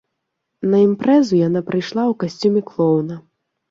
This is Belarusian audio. На імпрэзу яна прыйшла ў касцюме клоуна.